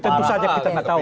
itu tentu saja kita gak tahu